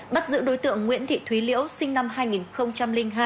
bắt giữ đối tượng nguyễn thị thúy liễu sinh năm hai nghìn hai